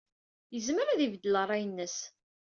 Yezmer ad ibeddel ṛṛay-nnes.